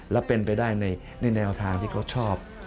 และเป็นไปได้ในแนวทางที่เขาชอบ